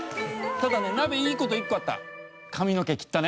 ただねなべいい事１個あった。